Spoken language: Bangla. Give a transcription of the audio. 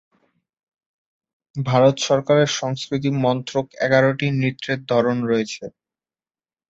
ভারত সরকারের সংস্কৃতি মন্ত্রক এগারোটি নৃত্যের ধরন রয়েছে।